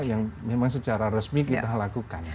yang memang secara resmi kita lakukan